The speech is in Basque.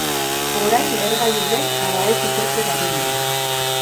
Orain lehergailu den ala ez ikertzen ari dira.